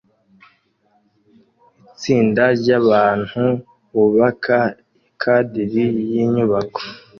Itsinda ryabantu bubaka ikadiri yinyubako